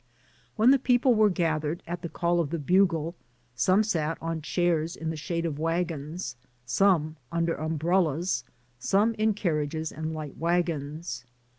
When the people were gathered, at the call of the bugle, some sat on chairs in the shade of wagons, some under umbrellas, some in carriages and light wagons.